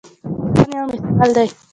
ایران یو مثال دی.